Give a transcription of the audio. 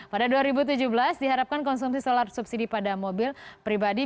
pada dua ribu tujuh belas diharapkan konsumsi solar subsidi pada mobil pribadi